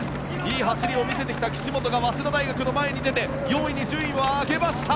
いい走りを見せてきた岸本が早稲田大学の前に出て４位に順位を上げました。